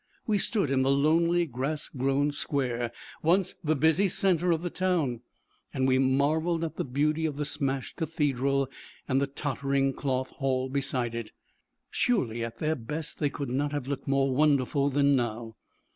We stood in the lonely grass grown Square, once the busy centre of the town, and we marvelled at the beauty of the smashed cathedral and the tottering Cloth Hall beside it. Surely at their best they could not have looked more wonderful than now.